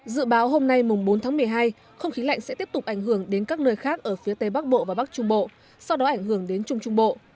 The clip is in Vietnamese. dự báo hôm nay bốn tháng một mươi hai không khí lạnh sẽ tiếp tục ảnh hưởng đến các nơi khác ở phía tây bắc bộ và bắc trung bộ sau đó ảnh hưởng đến trung trung bộ